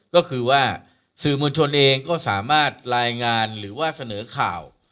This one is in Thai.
ก็คือว่าสื่อมวลชนเองก็สามารถรายงานหรือว่าเสนอข่าว